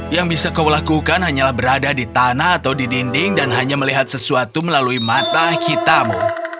yang bisa kau lakukan hanyalah berada di tanah atau di dinding dan hanya melihat sesuatu melalui mata kitamu